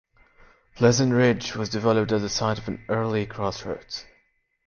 Pleasant Ridge was developed at the site of an early crossroads.